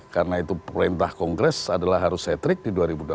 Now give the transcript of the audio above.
karena itu perintah kongres adalah harus setrik di dua ribu dua puluh empat